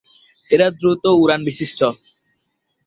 এরা দ্রুত উরানবিশিষ্ট।